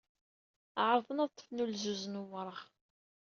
Ɛerḍen ad ḍḍfen ulzuz n wureɣ.